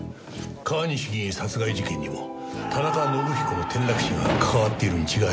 川西議員殺人事件にも田中伸彦の転落死が関わっているに違いありません。